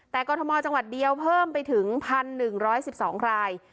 แต่กรทมจังหวัดเดียวเพิ่มไปถึง๑๑๑๒ราย